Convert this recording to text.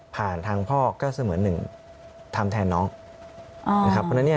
ทางพ่อก็เสมือนหนึ่งทำแทนน้องนะครับเพราะฉะนั้นเนี่ย